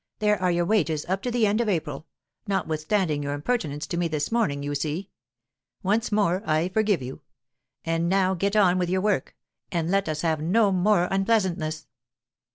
"There are your wages, up to the end of April notwithstanding your impertinence to me this morning, you see. Once more I forgive you. And new get on with your work, and let us have no more unpleasantness."